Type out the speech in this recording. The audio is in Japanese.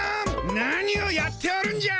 何をやっておるんじゃ！